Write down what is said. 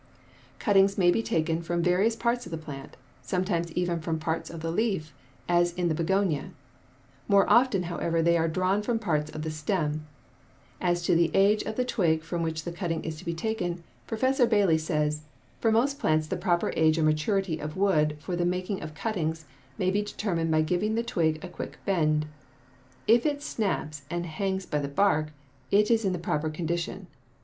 Cuttings may be taken from various parts of the plant, sometimes even from parts of the leaf, as in the begonia (Fig. 46). More often, however, they are drawn from parts of the stem (Figs. 43 45). As to the age of the twig from which the cutting is to be taken, Professor Bailey says: "For most plants the proper age or maturity of wood for the making of cuttings may be determined by giving the twig a quick bend; if it snaps and hangs by the bark, it is in proper condition.